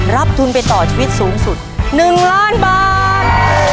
รับทุนไปต่อชีวิตสูงสุด๑ล้านบาท